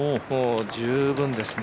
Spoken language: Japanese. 十分ですね。